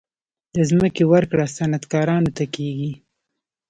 د ځمکې ورکړه صنعتکارانو ته کیږي